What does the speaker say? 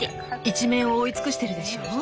一面を覆い尽くしてるでしょう？